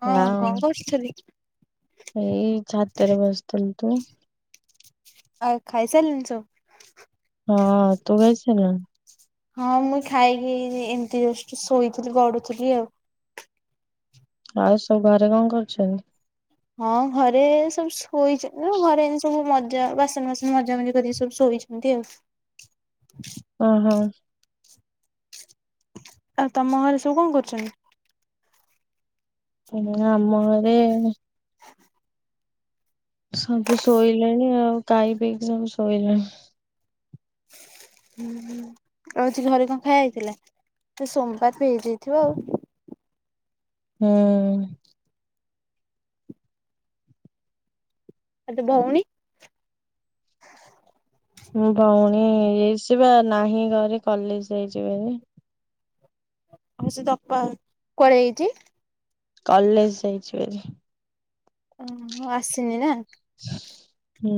ହଁ ଆଉ କଣ କହୁଥିଲି? ଏଇ ଛାତରେ ବସିଥିଲୁ। ତୁ? ଆଉ ଖାଇସାରିଲେଣି ସବୁ? ହଁ। ତୁ ଖାଇସାରିଲୁଣି? ହଁ ମୁଁ ଇ ଖାଇକି ଏମ୍ ତି ଜଷ୍ଟ୍ ଶୋଇଥିଲି ଗଢୁଥିଲି ଆଉ। ଆଉ ସବୁ ଘରେ କଣ କରୁଛନ୍ତି? ହଁ ଘରେ ସବୁ ଶୋଇଚ ଘରେ ଏମତି ସବୁ ମଜା ବାସନ ବାସନ। ମଜା ମଜା କରିକି ସବୁ ଶୋଇଛନ୍ତି ଆଉ। ଓହୋ। ଆଉ ତମ ଘରେ ସବୁ କଣ କରୁଚନ୍ତି? ଏଇନା ଆମ ଘରେ ସବୁ ଶୋଇଲେଣି ଆଉ ଖାଇ ପିଇକି ସବୁ ଶୋଇଲେଣି। ହୁଁ, ହୁଁ। ଆଉ [unintelligible] ଘରେ କଣ ଖାଇ ହେଇଥିଲା ସେ ସୋମବାର ବି ହେଇଯାଇଥିବ ଆଉ। ହୁଁ। ଆଉ ତୋ ଭଉଣୀ? ମୋ ଭଉଣୀ ଏ ସିଏବା ନାହିଁ ଘରେ କଲେଜ୍ ଯାଇଛି ହାରି। ଆଉ ସେ ଦପା କୁଆଡେ ଯାଇଚି? କଲେଜ୍ ଯାଇଛି ହାରି। ଓହୋ ଆସିନି ନା?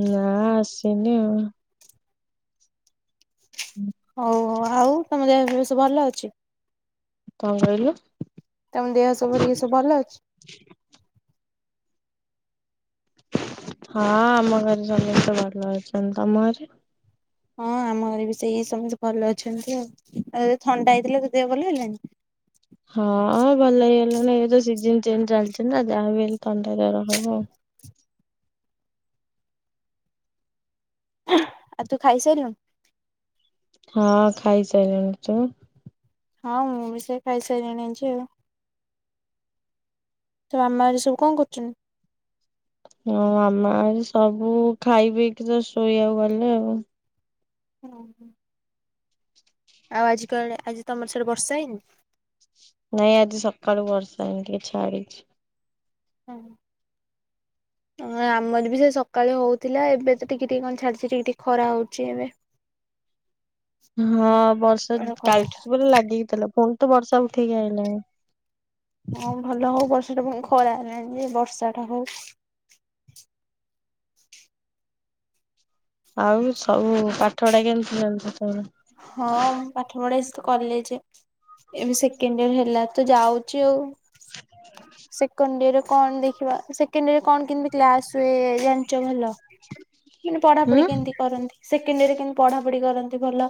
ନା ଆସିନି ଆଉ। ହୁଁ। ହଉ ହଉ ଆଉ ତମ ଦେହ ପାହ ସବୁ ଭଲ ଅଛି? କଣ କହିଲୁ? ତମ ଦେହ ସବୁ ହରିକା ଏ ସବୁ ଭଲ ଅଛି? ହଁ ଆମ ଘରେ ସମସ୍ତ ଭଲ ଅଛନ୍ତି ତମ ଘରେ? ହଁ ଆମ ଘରେ ବି ସେଇ ସମସ୍ତେ ଭଲ ଅଛନ୍ତି ଆଉ। ଆଉ ତତେ ଥଣ୍ଡା ହେଇଥିଲା ତୋ ଦେହ ଭଲ ହେଲାଣି? ହଁ ଭଲ ହେଇଗଲାଣି ଏ ତ ସିଜନ୍ ଚେଞ୍ଜ୍ ଚାଲିଚି ନା ଯାହାବି ହେଲେ ଥଣ୍ଡା ଜର ହବ। ଆଉ ତୁ ଖାଇସାଇଲୁଣି? ହଁ ଖାଇସାରିଲିଣି। ତୁ? ହଁ ମୁଁ ବି ସେ ଖାଇସାଇଲିଣି ଆଜି ଆଉ। ତୋ ମାମା ହରିକା ସବୁ କଣ କରୁଚନ୍ତି? ହଁ ଆମ ଆଜି ସବୁ ଖାଇ ପିଇକି ଯଷ୍ଟ ଶୋଇବାକୁ ଗଲେ ଆଉ। ହଁ, ହଁ। ଆଉ ଆଜି କୁଆଡେ ଆଜି ତମର ସିଆଡେ ବର୍ଷା ହେଇନି? ନାଇଁ ଆଜି ସକାଳୁ ବର୍ଷା ହେଇକି ଛାଡିଚି। [unintelligible] ଅଁ। ଆମର ବି ସେ ସକାଳେ ହଉଥିଲା। ଏବେ ତ ଟିକେ ଟିକେ କଣଛାଡିଛି ଟିକେ ଟିକେ ଖରା ହଉଛି ଏବେ। ହଁ ବର୍ଷା ବେଳେ ଖରା କାଲିଠୁ ପୁରା ଲାଗିକିଥିଲା। ପୁଣି ତ ବର୍ଷା ଉଠିକି ଆଇଲାଣି। ହଁ ଭଲ ହଉ ବର୍ଷା ଟା ଖରା ହେଲା ନୀ ଯେ ବର୍ଷା ଟା ହଉ। ଆଉ ସବୁ ପାଠ ପଢା କେମିତି ଚାଲିଚି ତୋର? ହଁ ମ ପାଠ ପଢା କଲେଜେ ଏବେ ସେକେଣ୍ଡ ଇୟର ହେଲା ଯାଉଛି ଆଉ। ସେକେଣ୍ଡିଅରେ କଣ ଦେଖିବା ସେ କେଣ୍ଡିଅରେ ରେ କଣ କେମିତି କ୍ଲାସ ହୁଏ ଜାଣିଚ ଭଲ ମାନେ ହୁଁ ପଢାପଢି କେମିତି କରନ୍ତି? ସେକେଣ୍ଡିୟରେ କେମତି ପଢାପଢି କରନ୍ତି ଭଲ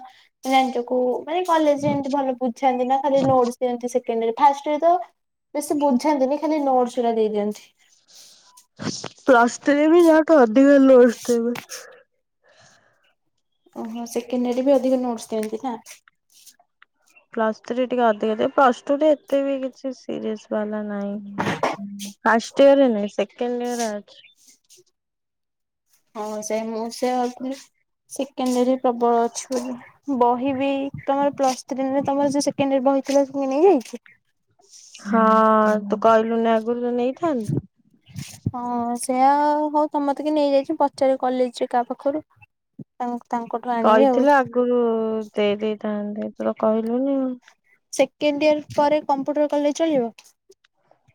ଜାଣିଛ କୁ ମାନେ କଲେଜରେ ଏମିତି ଭଲ ପୁ ଛନ୍ତି ନା ଖାଲି ନୋଟ୍ସ ଦିଅନ୍ତି ସେକେଣ୍ଡ୍ ଅର ଫାଷ୍ଟ ରେ ତ ବେଶୀ ବୁଝାନ୍ତିନି। ଖାଲି ନୋଟସ୍ ଉରା ଦେଇ ଦିଅନ୍ତି। ପ୍ଲସ୍ ଥ୍ରିରେ ବି ୟାଠୁ ଅଧିକ ଲୋଡ୍ସ ଦେବେ। ଓହୋ ସେକେଣ୍ଡଡ଼ିଅର ବି ଅଧିକ ନୋଟସ ଦିଅନ୍ତି ନା? ପ୍ଲସ ଥ୍ରୀ ଟିକେ ଅଧିକ ଦେବେ ପ୍ଲସ୍ ଟୁରେ ଏତେ ବି କିଛି ସିରିଏସ ବାଲା ନାହିଁ। ଫାଷ୍ଟୟରେ ନାଇ ସେକେଣ୍ଡଇୟର୍ ଅଛି। ହଁ ସେ ମୁଁ ସେ ଭାବୁଥିଲି ସେକେଣ୍ଡଇୟର ବି ପ୍ରବଳ ଅଛି ବୋଲି ବହି ବି ତମର ପ୍ଲସ୍ ଥ୍ରୀରେ ତମର ଯଉ ସେକେଣ୍ଡ ଇୟର ବହିଥିଲା ସେକିଏ ନେଇଯାଇଛି? ହଁ ତୁ କହିଲୁନି ଆଗରୁ ତୁ ନେଇଥାନ୍ତୁ? ହଁ ସେଇୟା ହଉ ତମତେ କିଏ ନେଇଯାଇଛି ପଚାରେ କଲେଜରେ କା ପାଖରୁ। ତା ତାଙ୍କଠୁ ଆ କହିଥିଲେ ଆଗରୁ ଦେଇ ଦେଇେଇଥାନ୍ତି ତୁ ତ କହିଲୁନି ଆଉ। ସେକେଣ୍ଡ ଇୟର ପରେ କମ୍ପ୍ୟୁଟର କଲେଜ ଚଳିବ?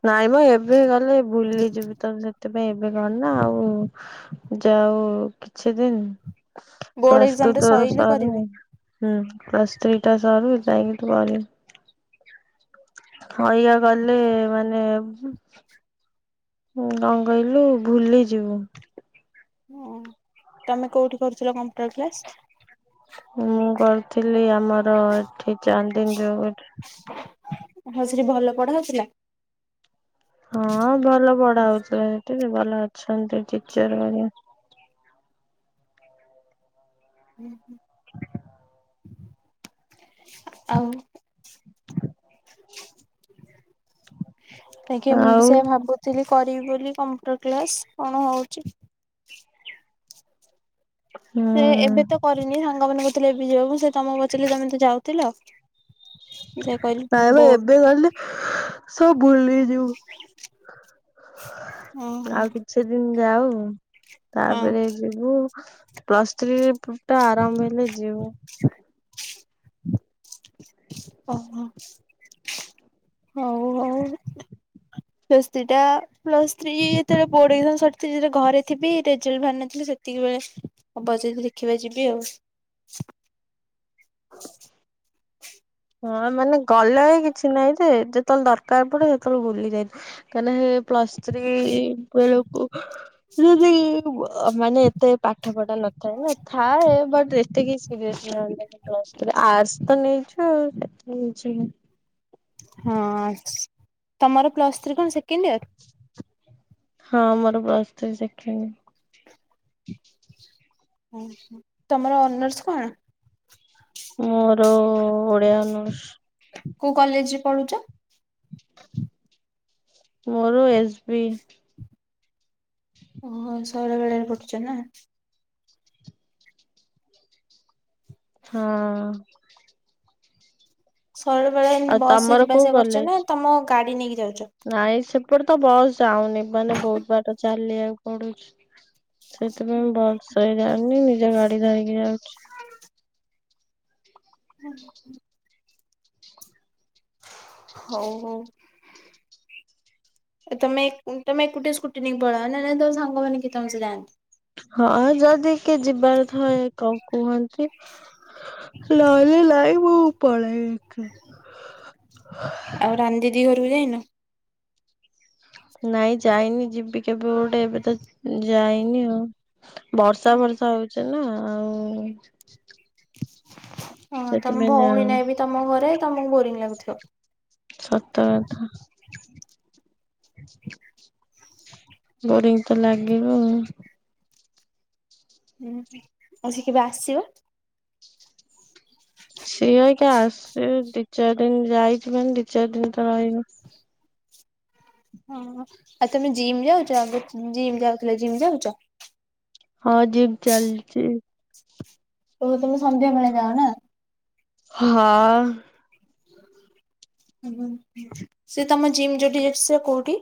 ନାଇଁ ମ ଏବେ କଲେ ଭୁଲିଯିବି ତମେ ସବ ସେଥି ପାଇ ଏବେ କଣ ନା ଆଉ ଯାଉ କିଛି ଦିନି ବୋର୍ଡ ପ୍ଲସ ଏକ୍ଜାମ ଟୁ ଟା ତୋର ସଇଲେ ସରୁ। କରିବେ। ହୁଁ ପ୍ଲସ୍ ଥ୍ରୀ ଟା ସରୁ ଯାଇକି ତୁ କରିବୁ। ହଇଆ ଗଲେ ମାନେ ହୁଁ କଣ କହିଲୁ ଭୁଲି ଯିବୁ। ହ ତମେ କୋଉଠି କରୁଥିଲ କମ୍ପ୍ୟୁଟର କ୍ଲାସ? ମୁଁ କରିଥିଲି ଆମର ଏଠି ଚାନ୍ଦିନ ଯୋଉ ଗୋଟେ ହଁ ସେଠି ଭଲ ପଢା ହଉଥିଲା? ହଁ ଭଲ ପଢାହଉଥିଲା ସେଟି ଭଲ ଅଛନ୍ତି ଟିଚର ମାନେ ହୁଁ ହୁଁ। [inaudible] ଆଉ ଆଜ୍ଞା ମୁଁ ବି ଆଉ ସେଆ ଭାବୁ ଥିଲି କରିବି ବୋଲି କମ୍ପ୍ୟୁଟର କ୍ଲାସ କଣ ହଉଛି? ସେ ଏବେ ହୁଁ ତ କରିନି ସାଙ୍ଗ ମାନେ କହୁଥିଲେ ଏବେ ଯିବାକୁ ସେ ତମକୁ ପଚାରିଲି ତମେ ତ ଯାଉଥିଲ। ମୁଁ ସେୟା କହିଲି ନାଇବା ବୋର୍ଡ ଏବେ ଗଲେ ସବୁ ଭୁଲି ଯିବୁ। ହୁଁ ହୁଁ। ସେଦିନ ଯାଉ ତାପରେ ଯି ବୁ ପ୍ଲସ୍ ଥ୍ରୀ ଟା ଆରମ୍ଭ ହେଲେ ଯିବୁ। ଓହୋ। ହଉ ହଉ। ପ୍ଲସ୍ ଥ୍ରୀ ଟା ପ୍ଲସ୍ ଥ୍ରୀ ଯେତେବେଳେ ବୋଡ଼ ଏଗଜାମ ସ ଘରେ ଥିବି ରେଜଲ୍ଟ ବାହାରିିନଥିଲା ସେ ତିକି ବେଳେ ହବ ଯଦି ଦେଖିବା ଯିବି ଆଉ। ହଁ ମାନେ ଗଲେ କିଛି ନାହିଁ ଯେ ଯେତେବେଳେ ଦରକାର ପଡେ ହେତେବେଳେ ଭୁଲି ଯାଇ [unintelligible] ହେ ପ୍ଲସ୍ ଥ୍ରୀ ବେଳକୁ ଯଦି ମାନେ ଏତେ ପାଠ ପଢା ନଥାଏ ନା ଥାଏ ବଟ ଏତିକି [unintelligible] [unintelligible] ଆର୍ଟ୍ସ ତ ନେଇଛୁ ଆଉ [unintelligible] ହଁ ଆର୍ଟ୍ସ। ତମର ପ୍ଲସ୍ ଥ୍ରୀ କଣ ସେକେଣ୍ଡ ଇୟର? ହଁ ମୋର ପ୍ଲସଥ୍ରୀ ସେକେଣ୍ଡ ତମର ଅନର୍ସ କଣ? ମୋର ଓଡିଆ ଅନର୍ସ। କୋଉ କଲେଜ ରେ ପଢୁଚ? ମୋର ଏସ୍ ବି। ଓହୋ ଶଇଳ ବେଳାରେ ପଠୁଛ ନା? ହଁ। ଶୈଳବାଳା ଏମିତି ଆଉ ବସ୍ ତମର ଯିବା କୋଉ ଆସିବା କରୁଛ କଲେଜ? ନା ତମ ଗାଡ଼ି ନେଇକି ଯାଉଛ? ନାଇଁ ସେପଟେ ତ ବସ୍ ଯାଉନି ମାନେ ବହୁତ ବାଟ ଚାଲିବାକୁ ପଡୁଛି। ସେଥିପାଇଁ ବସ ରେ ଯାଉନି ନିଜ ଗାଡି ଧରିକି ଯାଉଛି। [unintelligible] ହଉ ହଉ। ଏ ତମେ ଉଁ ତମେ ଏକୁଟିଆ ସ୍କୁଟି ନେଇକି ପଳାଅ ନା ତମ ସାଙ୍ଗ ମାନେ କି ତମେ ସହ ଯାଆନ୍ତି? ହଁ ଯଦି କିଏ ଯିବାର ଥାଏ କ କୁହନ୍ତି। ନହେଲେ ଲାଇ ମୁଁ ପଳାଏ ଏକା। ଆଉ ରାନ୍ ଦିଦି ଘରକୁ ଯାଇନ? ନାଇଁ ଯାଇନି ଯିବି କେବେ ଗୋଟେ ଏବେ ତ ଯାଇନି ଆଉ। ବର୍ଷା ବର୍ଷା ହଉଛି ନା ଆଉ ହଁ ତମ ସେଥିପାଇଁ ଭଉଣୀ ଯାଉନି। ନାହିଁ ବି ତମ ଘରେ ତମକୁ ବୋରିଂ ଲାଗୁଥିବ। ସତ କଥା। ବୋରିଙ୍ଗ ତ ଲାଗିବ ଆଉ। ହୁଁ ଆଉ ସେ କେବେ ଆସିବ? ସିଏ ରହିକା ଆସିବ ଦି ଚାରି ଦିନ ଯାଇଛି ମାନେ ଦି ଚାରି ଦିନ ତ ରହିବ। ହଁ ଆଉ ତମେ ଜିମ୍ ଯାଉଛ ଉଁ ଜିମ୍ ଯାଉଥିଲ ଜିମ୍ ଯାଉଛ? ହଁ ଜିମ୍ ଚାଲଛି। ଓହୋ ତମେ ତମେ ସନ୍ଧ୍ୟାବେଳେ ଯାଅ ନା? ହଁ। ସେ ତମ ଜିମ୍ ଯୋଠି ଯାଉଛ ସେଟା କୋଉଠି?